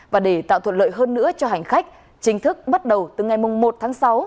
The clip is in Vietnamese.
và để tạo thuận lợi hơn nữa cho hành khách chính thức bắt đầu từ ngày một tháng sáu